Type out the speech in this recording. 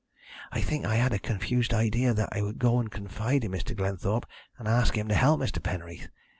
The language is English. "I think I had a confused idea that I would go and confide in Mr. Glenthorpe, and ask him to help Mr. Penreath.